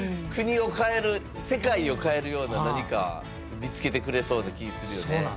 国を変える世界を変えるような何か見つけてくれそうな気するよね。